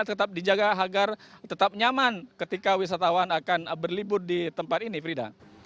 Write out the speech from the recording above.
tetap dijaga agar tetap nyaman ketika wisatawan akan berlibur di tempat ini frida